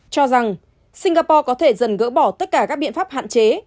cho rằng singapore có thể dần gỡ bỏ tất cả các biện pháp hạn chế